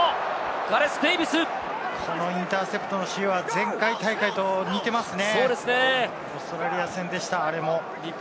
ガレス・デーヴィス、このインターセプトの仕様は前回大会と似ていますね。